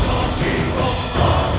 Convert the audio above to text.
aku tidak tahu